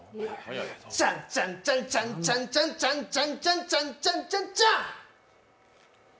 チャンチャンチャチャンチャンチャチャンチャンチャチャンチャンチャチャン！